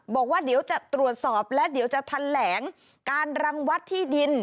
บอกว่าเดี๋ยวจะตรวจสอบและเดี๋ยวจะทันแหลงการรังวัดที่ดิน